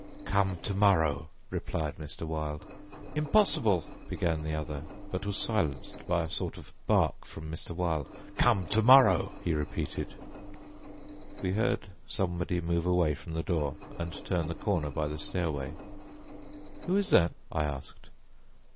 "Come to morrow," replied Mr. Wilde. "Impossible," began the other, but was silenced by a sort of bark from Mr. Wilde. "Come to morrow," he repeated. We heard somebody move away from the door and turn the corner by the stairway. "Who is that?" I asked.